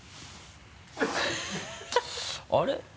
あれ？